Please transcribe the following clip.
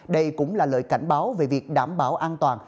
đây cũng là lời cảnh báo về việc đảm bảo an toàn